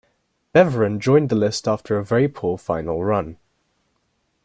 Beveren joined the list after a very poor final run.